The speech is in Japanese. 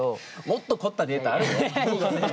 もっと凝ったデータあるよ。